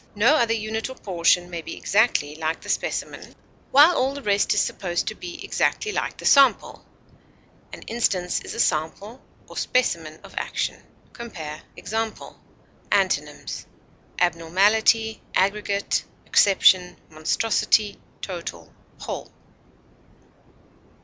No other unit or portion may be exactly like the specimen, while all the rest is supposed to be exactly like the sample. An instance is a sample or specimen of action. Compare EXAMPLE. Antonyms: abnormality, aggregate, exception, monstrosity, total, whole.